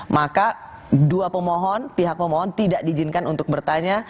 maka dua pemohon pihak pemohon tidak diizinkan untuk bertanya